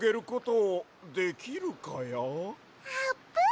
あーぷん！